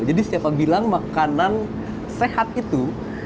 jadi siapa bilang makanan sehat itu